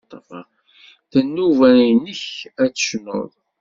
D nnuba-nnek ad tecnuḍ.